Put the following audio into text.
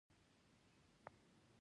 زغم د بیان او فکر آزادي ورکړه.